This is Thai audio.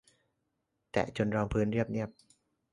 แตะจนรองพื้นเรียบเนียน